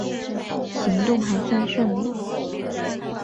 行动还算顺利